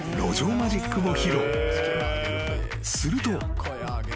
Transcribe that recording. ［すると］